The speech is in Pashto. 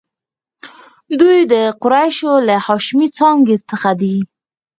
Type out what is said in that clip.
دوی د قریشو له هاشمي څانګې څخه دي.